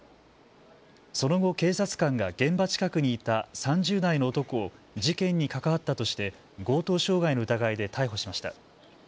その後、警察官が現場近くにいた３０代の男を事件に関わったとして強盗傷害の疑いで逮捕しました。